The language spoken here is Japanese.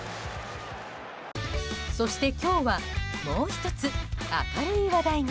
そして今日はもう１つ明るい話題が。